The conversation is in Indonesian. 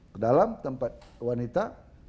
ke dalam tempat wanita